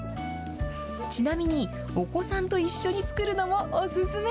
ちなみにお子さんと一緒に作るのもお勧め。